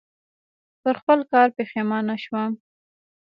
پر خپل کار پښېمانه شوم .